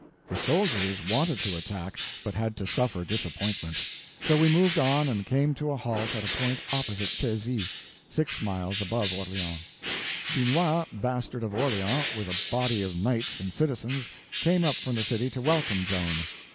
The soldiers wanted to attack, but had to suffer disappointment. So we moved on and came to a halt at a point opposite Checy, six miles above Orleans. Dunois, Bastard of Orleans, with a body of knights and citizens, came up from the city to welcome Joan.